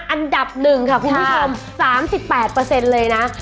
อันดับ๑ค่ะคุณผู้ชม๓๘เลยนะ